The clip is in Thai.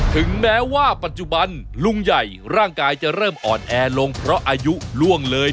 ถึงแม้ว่าปัจจุบันลุงใหญ่ร่างกายจะเริ่มอ่อนแอลงเพราะอายุล่วงเลย